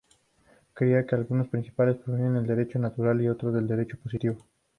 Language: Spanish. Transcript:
Creía que algunos principios provienen del Derecho natural y otros, del Derecho positivo.